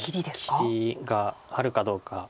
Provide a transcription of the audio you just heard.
切りがあるかどうか。